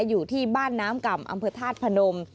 อยู่ที่บ้านน้ำก่ำอำเภอธาตุพนม